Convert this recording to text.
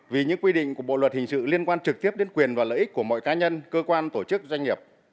vì những quy định của bộ luật hình sự liên quan trực tiếp đến quyền và lợi ích của mọi cá nhân cơ quan tổ chức doanh nghiệp